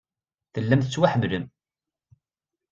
Tellam tettwaḥemmlem.